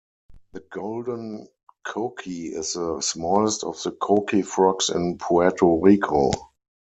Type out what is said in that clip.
The golden coqui is the smallest of the coqui frogs in Puerto Rico.